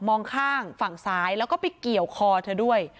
มองข้างฝั่งซ้ายแล้วก็ไปเกี่ยวคอเธอด้วย